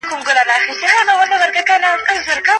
سردار محمد داود خان د ملي فخر او عزت ساتونکی وو.